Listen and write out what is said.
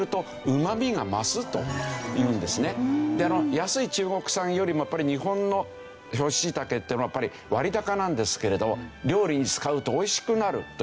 安い中国産よりも日本の干し椎茸っていうのはやっぱり割高なんですけれど料理に使うとおいしくなるといってですね